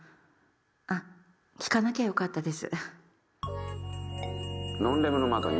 あっ聞かなきゃよかったです。